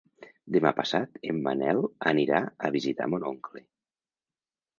Demà passat en Manel anirà a visitar mon oncle.